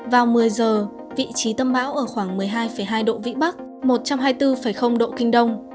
vào một mươi giờ vị trí tâm bão ở khoảng một mươi hai hai độ vĩ bắc một trăm hai mươi bốn độ kinh đông